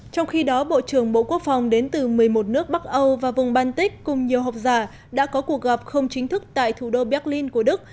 trong khi đó bộ trưởng bộ quốc phòng đến từ một mươi một nước bắc âu và vùng baltic cùng nhiều học giả đã có cuộc gặp không chính thức tại thủ đô berlin của đức